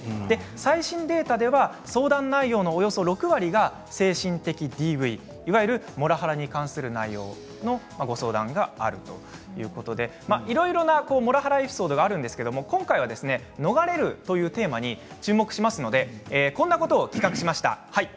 最新データでは相談内容のおよそ６割が精神的ＤＶいわゆるモラハラに関する内容のご相談があるということでいろいろなモラハラエピソードがあるんですが今回は逃れるというテーマに注目しましてこんなことを企画しました。